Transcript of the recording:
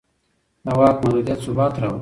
د واک محدودیت ثبات راولي